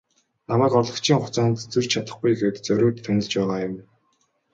Намайг орлогчийн хугацаанд зөрж чадахгүй гээд зориуд томилж байгаа юм.